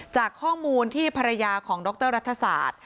จากข้อมูลที่ภรรยาของดรรัฐศาสตร์